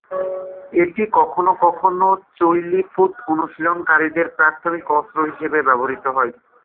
এটি কখনও কখনও চোই লি ফুত অনুশীলনকারীদের প্রাথমিক অস্ত্র হিসাবে ব্যবহৃত হয়।